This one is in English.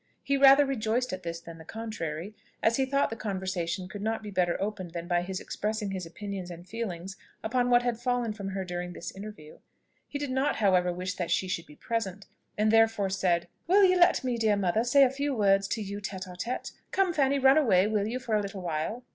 He rather rejoiced at this than the contrary, as he thought the conversation could not be better opened than by his expressing his opinions and feelings upon what had fallen from her during this interview. He did not however, wish that she should be present, and therefore said, "Will you let me, dear mother, say a few words to you tête à tête. Come, Fanny; run away, will you, for a little while?"